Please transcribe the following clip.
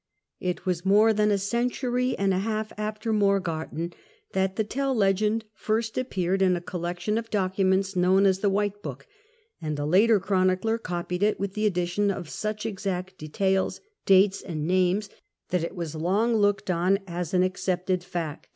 It was more than a century and a half after Morgarten that the Tell legend first appeared in a collection of documents known as the White Book : and a later Chronicler copied it with the addition of such exact details, dates and names, that it was long looked upon as an accepted fact.